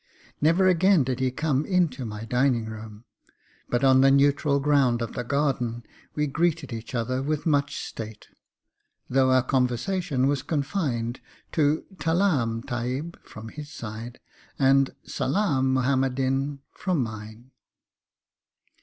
Never again did he come into my dining room, but on the neutral ground of the garden we greeted each other with much state, though our conversation was confined to 'Talaam, Tahib' from his side, and 'Salaam, Muhammad Din' from mine.